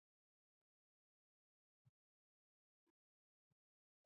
سهار د چاپېریال ښکلا ده.